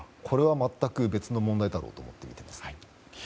これは全く別の問題だと思っています。